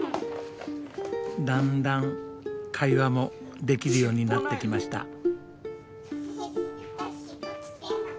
だんだん会話もできるようになってきました。